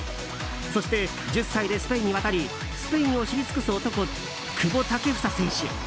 そして１０歳でスペインに渡りスペインを知り尽くす男久保建英選手。